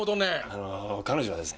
あの彼女はですね。